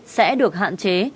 sẽ được hạn chế